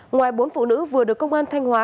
ngoài bốn phụ nữ vừa được công an thanh hóa